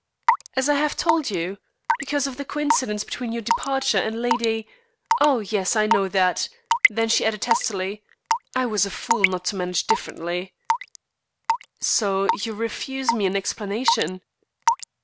"As I have told you. Because of the coincidence between your departure and Lady " "Oh yes, I know that." Then she added testily: "I was a fool not to manage differently." "So you refuse me an explanation?"